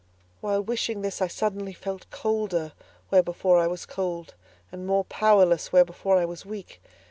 While wishing this, I suddenly felt colder where before I was cold, and more powerless where before I was weak.